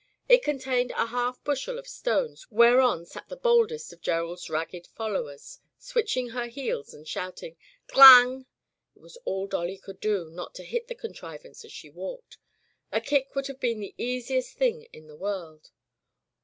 It contained a half bushel of stones whereon sat the boldest of Gerald's ragged followers, switching her heels and shouting, "G'lang!" It was all Dolly could do not to hit the contrivance as she walked. A kick would have been the easiest thing in the world.